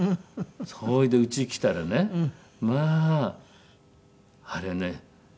それでうちに来たらねまああれね。